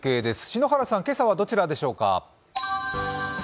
篠原さん、今朝はどちらでしょうか？